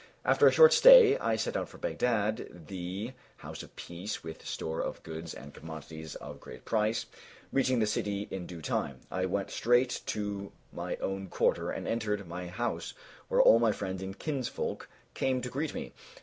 After a short stay, I set out for Baghdad, the House of Peace, with store of goods and commodities of great price. Reaching the city in due time, I went straight to my own quarter and entered my house, where all my friends and kinsfolk came to greet me.